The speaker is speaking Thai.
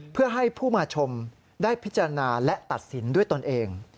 เพื่อให้ผู้มาชมได้พิจารณาและตัดสินด้วยตนเอง